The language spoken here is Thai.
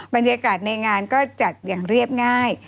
บรรยากาศในงานก็จัดอย่างเรียบง่าย